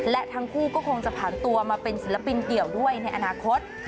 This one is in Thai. และทั้งคู่ก็คงจะผ่านตัวมาเป็นศิลปินเดี่ยวด้วยในอนาคต